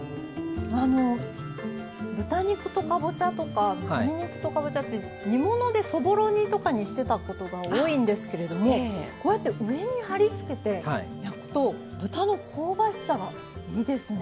豚肉とかぼちゃとか鶏肉とかぼちゃって煮物でそぼろ煮とかにしてたことが多いんですけれどもこうやって上にはりつけて焼くと豚の香ばしさがいいですね。